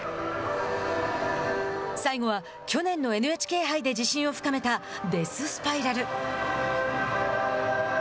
最後は、去年のＮＨＫ杯で自信を深めたデススパイラル。